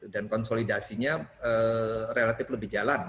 dan konsolidasinya relatif lebih jalan